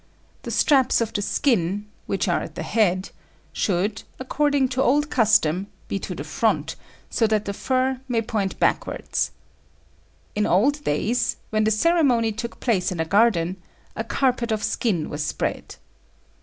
The straps of the skin (which are at the head) should, according to old custom, be to the front, so that the fur may point backwards. In old days, when the ceremony took place in a garden, a carpet of skin was spread.